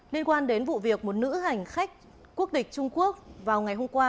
liên quan đến vụ việc một nữ hành khách quốc tịch trung quốc vào ngày hôm qua